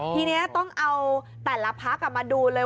ทีนี้ต้องเอาแต่ละพักมาดูเลย